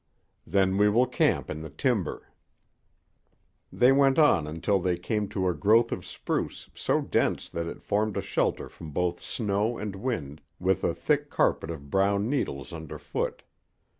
"Then we will camp in the timber." They went on until they came to a growth of spruce so dense that it formed a shelter from both snow and wind, with a thick carpet of brown needles under foot.